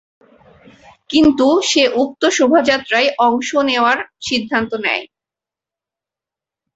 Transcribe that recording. কিন্তু সে উক্ত শোভাযাত্রায় অংশ নেওয়ার সিদ্ধান্ত নেয়।